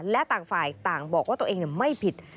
และต่างฝ่าอีกต่างบอกว่าตนไม่ผิด